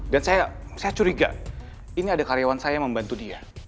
dan saya curiga ini ada karyawan saya yang membantu dia